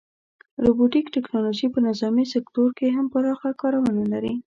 روبوټیک ټیکنالوژي په نظامي سکتور کې هم پراخه کارونه لري.